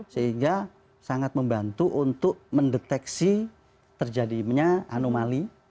sehingga sangat membantu untuk mendeteksi terjadinya anomali